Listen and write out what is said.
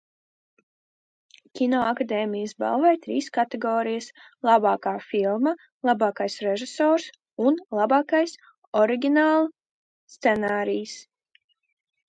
"Kinoakadēmijas balvai trīs kategorijās "Labākā filma", "Labākais režisors" un "Labākais oriģinālscenārijs"."